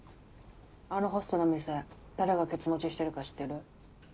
あのホストの店誰がケツ持ちしてるか知ってる？